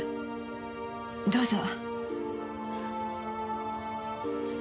どうぞ。